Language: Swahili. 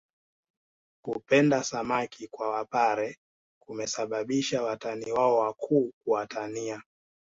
Kupenda samaki kwa wapare kumesababisha watani wao wakuu kuwatania